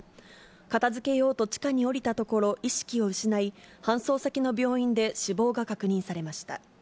片づけようと地下に下りたところ、意識を失い、搬送先の病院で死亡が確認されました。